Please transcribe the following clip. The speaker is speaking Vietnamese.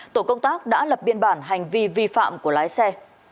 tổ công tác đã lập biên bản hành vi vi phạm của lái xe